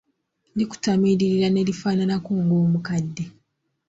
Likutaamirira ne lifaanaanako ng'omukadde.